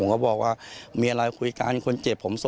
ขอบคุณครับ